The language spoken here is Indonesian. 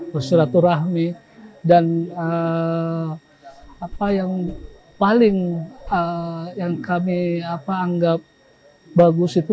bersilaturahmi dan apa yang paling yang kami anggap bagus itu